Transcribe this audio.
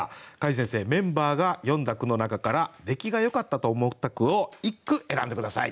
櫂先生メンバーが詠んだ句の中から出来がよかったと思った句を１句選んで下さい。